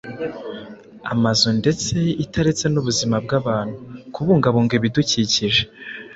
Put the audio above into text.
amazu ndetse itaretse n’ubuzima bw’abantu. Kubungabunga ibidukikije